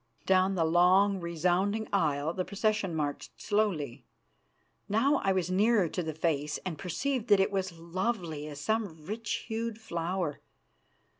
Down the long, resounding aisle the procession marched slowly. Now I was nearer to the face, and perceived that it was lovely as some rich hued flower.